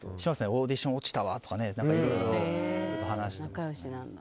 オーディション落ちたわとかいろいろ話して。